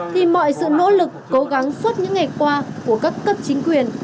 thì mọi sự nỗ lực cố gắng suốt những ngày qua của các cấp chính quyền